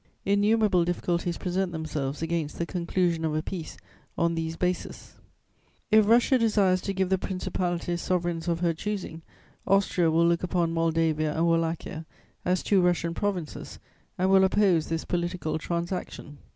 "Innumerable difficulties present themselves against the conclusion of a peace on these bases. "If Russia desires to give the principalities sovereigns of her choosing, Austria will look upon Moldavia and Wallachia as two Russian provinces and will oppose this political transaction.